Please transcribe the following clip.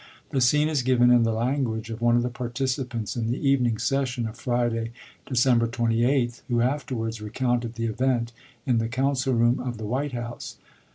The scene is given in the language of one of the participants in the evening session of Friday, December 28th, who afterwards recounted the event in the council room of the White House.